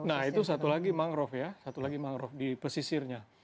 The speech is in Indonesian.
nah itu satu lagi mangrove ya satu lagi mangrove di pesisirnya